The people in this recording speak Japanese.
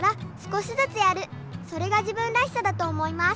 それが自分らしさだと思います。